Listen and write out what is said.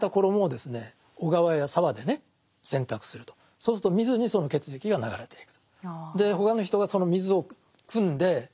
そうすると水にその血液が流れていく。